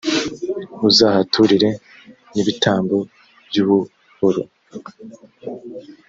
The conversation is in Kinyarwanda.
uzahaturire n’ibitambo by’ubuhoro,